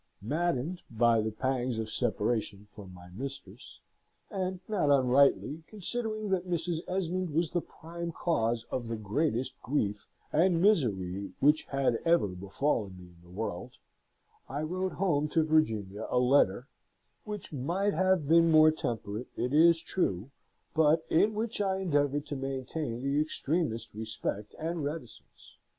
Maddened by the pangs of separation from my mistress, and not unrightly considering that Mrs. Esmond was the prime cause of the greatest grief and misery which had ever befallen me in the world, I wrote home to Virginia a letter, which might have been more temperate, it is true, but in which I endeavoured to maintain the extremest respect and reticence.